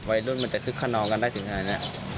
มันจะคึกขนองกันได้ถึงขนาดนี้